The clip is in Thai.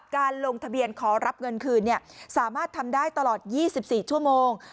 การรับเงินคืนเนี่ยสามารถทำได้ตลอด๒๔ชั่วโมง